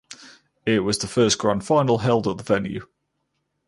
It was the first Grand Final held at the venue.